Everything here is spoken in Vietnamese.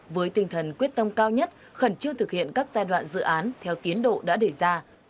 với tinh thần quyết tâm cao nhất khẩn trương thực hiện các giai đoạn dự án theo tiến độ đã để ra